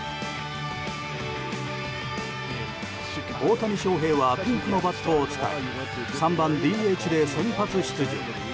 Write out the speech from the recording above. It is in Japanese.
大谷翔平はピンクのバットを使い３番ＤＨで先発出場。